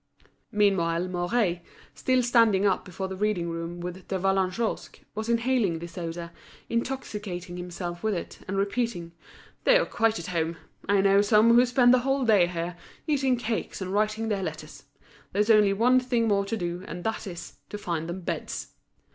Meanwhile Mouret, still standing up before the reading room with De Vallagnosc, was inhaling this odour, intoxicating himself with it, and repeating: "They are quite at home. I know some who spend the whole day here, eating cakes and writing their letters. There's only one thing more to do, and that is, to find them beds."